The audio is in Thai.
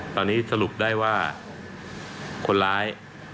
ตอนนี้สรุปได้ว่าคนร้าย